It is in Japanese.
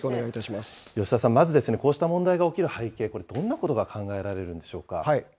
吉田さん、まずですね、こうした問題が起きる背景、これ、どんなことが考えられるんでしょうか。